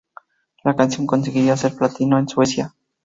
La canción conseguiría ser platino en Suecia.